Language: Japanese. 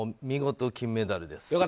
見事金メダルです。